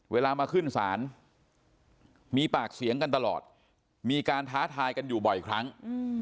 เวลามาขึ้นศาลมีปากเสียงกันตลอดมีการท้าทายกันอยู่บ่อยครั้ง